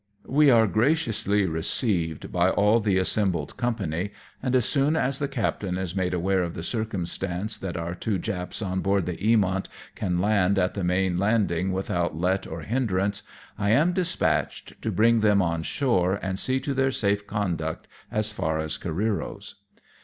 We are graciously received by all the assembled company, and as soon as the captain is made aware of the circumstance that our two Japs on board the Eamont can land at the main landing without let or hindrance, I am dispatched to bring them on shore and . see to their sa; fe conduct as far as Careero's.